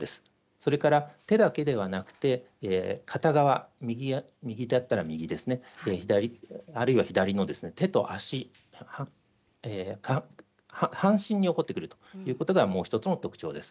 それから手だけではなくて片側、右だったら右ですねあるいは左の手と足半身に起こってくるというのがもう１つの特徴です。